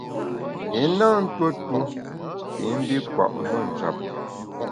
I na ntuo tuo shi i mbi kwet me njap.